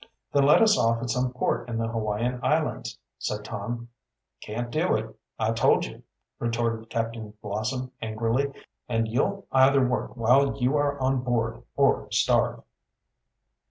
"Then let us off at some port in the Hawaiian Islands," said Tom. "Can't do it, I told you," retorted Captain Blossom angrily. "And you'll either work while you are on board or starve."